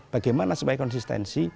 bagaimana supaya konsistensi